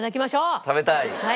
食べたい？